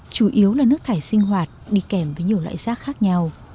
chủ yếu là nước thải sinh hoạt đi kèm với nhiều loại rác khác nhau